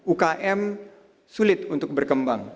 ukm sulit untuk berkembang